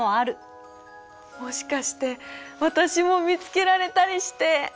もしかして私も見つけられたりして！